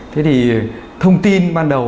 thế thì thông tin ban đầu